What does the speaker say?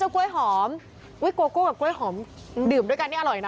กล้วยหอมโกโก้กับกล้วยหอมดื่มด้วยกันนี่อร่อยนะ